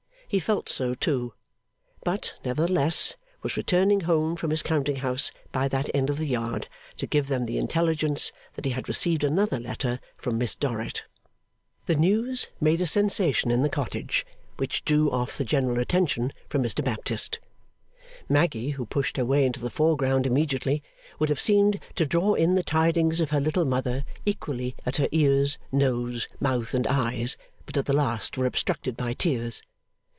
He felt so, too; but, nevertheless, was returning home from his counting house by that end of the Yard to give them the intelligence that he had received another letter from Miss Dorrit. The news made a sensation in the cottage which drew off the general attention from Mr Baptist. Maggy, who pushed her way into the foreground immediately, would have seemed to draw in the tidings of her Little Mother equally at her ears, nose, mouth, and eyes, but that the last were obstructed by tears.